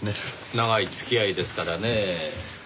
長い付き合いですからねぇ。